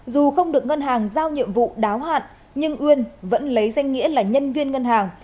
dù không được ngân hàng giao nhiệm vụ đáo hạn nhưng uyên vẫn lấy danh nghĩa là nhân viên ngân hàng